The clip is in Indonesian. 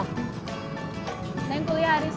hari ini dosennya satu sakit